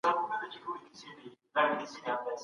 د کاري چاپیریال بهتري د وړتیا زیاتوالي لامل دی.